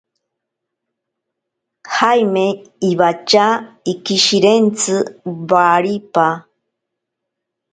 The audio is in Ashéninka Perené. Jaime iwatya ikishirentsi waripa.